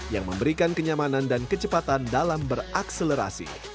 yang memberikan kenyamanan dan kecepatan dalam berakselerasi